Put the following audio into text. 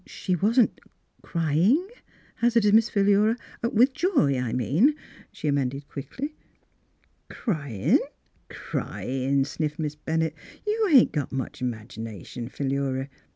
She wasn't — crying? " hazarded Miss Philura, — "with joy, I mean," she amended quickly. " Cryin'? — cryin'," sniffed Miss Ben nett. " You ain't got much 'magination, Philura.